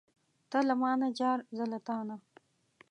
ته له مانه جار، زه له تانه.